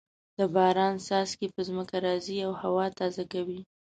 د باران څاڅکي په ځمکه راځې او هوا تازه کوي.